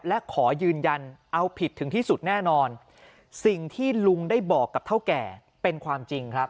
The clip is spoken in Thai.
และขอยืนยันเอาผิดถึงที่สุดแน่นอนสิ่งที่ลุงได้บอกกับเท่าแก่เป็นความจริงครับ